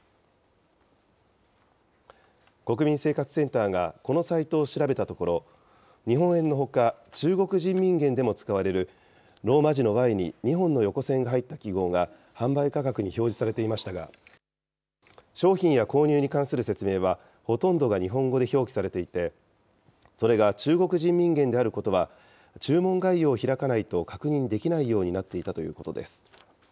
国民生活センターがこのサイトを調べたところ、日本円のほか、中国人民元でも使われる、ローマ字のＹに２本の横線が入った記号が販売価格に表示されていましたが、商品や購入に関する説明は、ほとんどが日本語で表記されていて、それが中国人民元であることは注文概要を開かないと確認できないようになっていたということです。